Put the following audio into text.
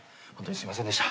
すいませんでした。